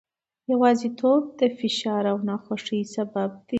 یوازیتوب د فشار او ناخوښۍ سبب دی.